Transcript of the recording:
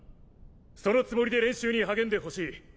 そのつもりで練習に励んで欲しい。